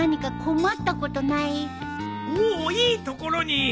おおいいところに。